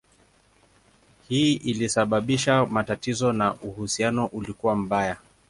Hii ilisababisha matatizo na uhusiano ulikuwa mbaya.